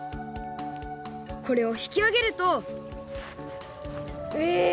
これをひきあげるとえ！